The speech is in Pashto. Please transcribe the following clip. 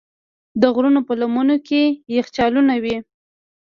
د غرونو په لمنو کې یخچالونه وي.